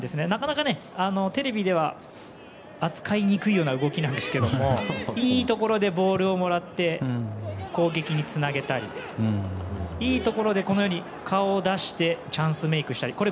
なかなかテレビでは扱いにくいような動きなんですけどいいところでボールをもらって攻撃につなげたりいいところで顔を出してチャンスメークしたり。